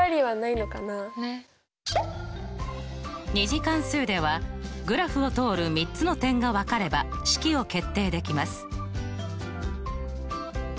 ２次関数ではグラフを通る３つの点が分かれば式を決定できます。